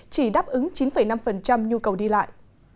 chỉ đáp ứng chín năm nhu cầu đi lại